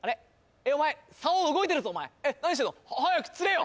えっお前さお動いてるぞお前何してんの？早く釣れよ！